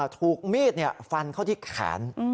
ถูกมีดฟันเข้าที่แขน